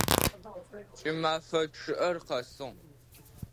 Кӏымэфэ чъыӏэр къэсыгъ.